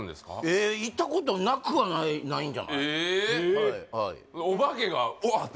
えっ行ったことなくはないんじゃないえっ！